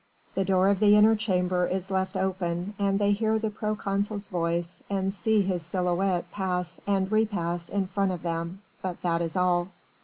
The door of the inner chamber is left open and they hear the proconsul's voice and see his silhouette pass and repass in front of them, but that is all.